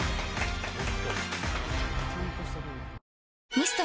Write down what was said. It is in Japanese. ミスト？